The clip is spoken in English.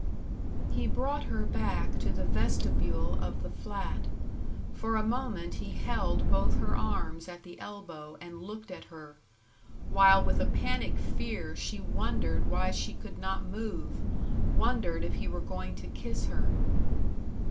He brought her back to the vestibule of the flat. For a moment he held both her arms at the elbow and looked at her, while with a panic fear she wondered why she could not move wondered if he were going to kiss her.